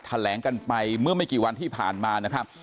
แถลงกันไปเมื่อไม่กี่วันที่ผ่านมานะครับ